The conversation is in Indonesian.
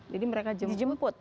jadi mereka jemput